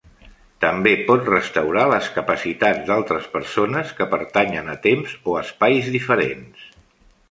També pot restaurar les capacitats d'altres persones que pertanyen a temps o espais diferents.